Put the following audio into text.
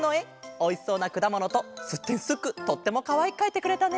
おいしそうなくだものとすってんすっくとってもかわいくかいてくれたね。